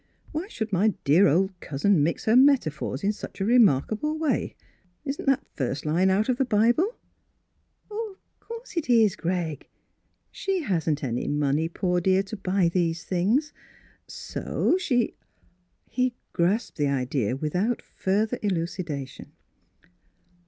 " Why should my dear old cousin mix her metaphors in such a remarkable way.? Mtss Philura's Wedding Gozvn Isn't that first line out of the Bible?" " Of course it is, Greg. She hasn't any money, poor dear, to buy these things ; so she —" He grasped the idea without further elucidation.